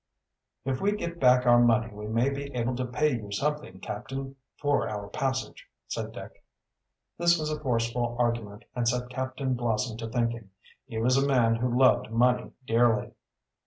"If we get back our money we may be able to pay you something, captain, for our passage," said Dick. This was a forceful argument and set Captain Blossom to thinking. He was a man who loved money dearly.